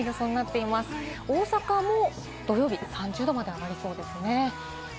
大阪も土曜日は３０度まで上がりそうですね。